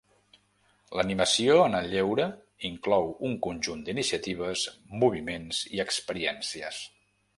L'animació en el lleure inclou un conjunt d'iniciatives, moviments i experiències.